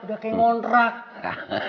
udah kayak ngontrak